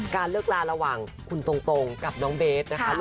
เลิกลาระหว่างคุณตรงกับน้องเบสนะคะ